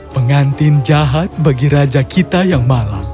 pengantin jahat bagi raja kita yang malang